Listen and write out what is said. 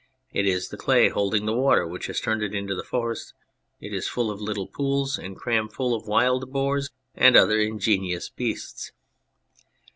It is the clay holding the water which has turned it into the forest it is, full of little pools and cram full of wild boars and other ingenious beasts.